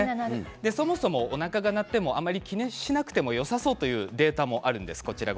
そもそも、おなかが鳴っても気にしなくてよさそうというデータもあるんです。